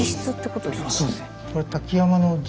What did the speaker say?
そうですね。